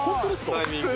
タイミング。